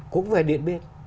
cũng về điện biên